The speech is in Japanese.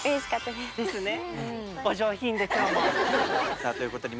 さあということでえ？